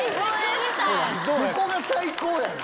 どこが最高やねん！